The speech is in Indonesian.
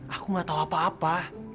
aku nggak tau apa apa